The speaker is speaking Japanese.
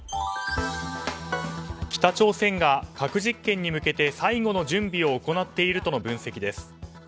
北朝鮮が核実験に向けて最後の準備を行っているとの分析です。